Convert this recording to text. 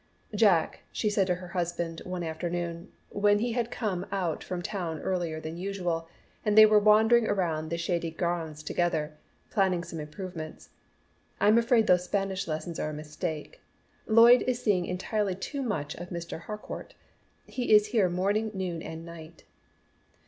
"Jack," she said to her husband one afternoon, when he had come out from town earlier than usual, and they were wandering around the shady grounds together, planning some improvements, "I'm afraid those Spanish lessons are a mistake. Lloyd is seeing entirely too much of Mr. Harcourt. He is here morning, noon and night."